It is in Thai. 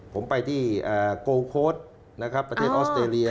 ผมไปที่โกโค้ดนะครับประเทศออสเตรเลีย